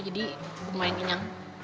jadi lumayan kenyang